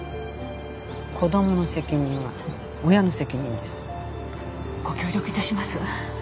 子どもの責任は親の責任です。ご協力致します。